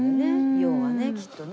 要はねきっとね。